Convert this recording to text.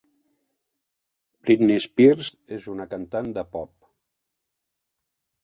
Britney Spears és una cantant de pop.